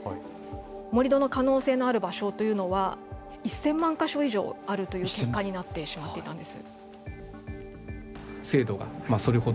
盛り土の可能性がある場所というのは１０００万か所以上あるという結果になってしまったんです。